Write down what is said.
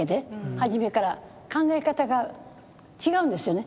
はじめから考え方が違うんですよね。